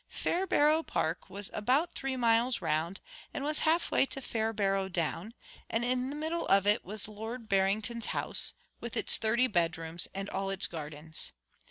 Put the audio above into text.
Fairbarrow Park was about three miles round, and was half way to Fairbarrow Down; and in the middle of it was Lord Barrington's house, with its thirty bedrooms and all its gardens.